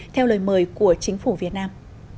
theo lời mời của chính phủ việt nam